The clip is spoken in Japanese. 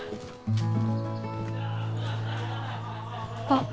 ・あっ。